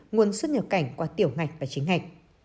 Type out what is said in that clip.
nguồn xuất nhập cảnh qua tiểu ngạch và chính ngạch